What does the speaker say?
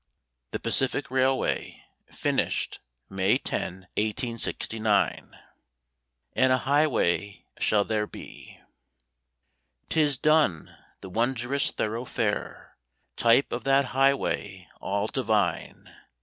THE PACIFIC RAILWAY FINISHED, MAY 10, 1869 "And a Highway shall there be." 'Tis "Done" the wondrous thoroughfare Type of that Highway all divine!